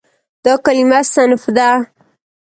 دا کلمه "صنف" ده.